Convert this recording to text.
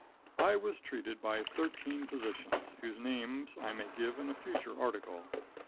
I was treated by thirteen physicians, whose names I may give in a future article.